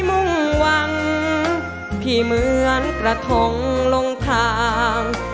มุ่งหวังที่เหมือนกระทงลงทาง